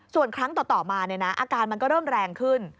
ส่วนครั้งต่อมาอาการมันก็เริ่มแรงขึ้น